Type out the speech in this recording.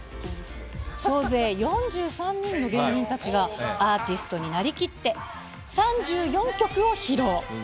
総勢４３人の芸人たちが、アーティストになりきって、３４曲を披露。